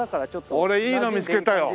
俺いいの見つけたよ。